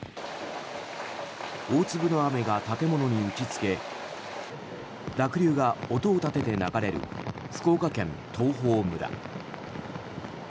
大粒の雨が建物に打ちつけ濁流が音を立てて流れる福岡県東峰村。